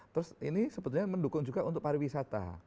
terus ini sebetulnya mendukung juga untuk pariwisata